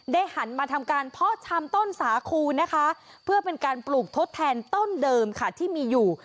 หันมาทำการเพาะชำต้นสาคูนะคะเพื่อเป็นการปลูกทดแทนต้นเดิมค่ะที่มีอยู่